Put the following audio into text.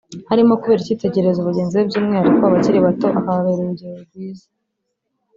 harimo kubera icyitegererezo bagenzi be by’umwihariko abakiri bato akababera urugero rwiza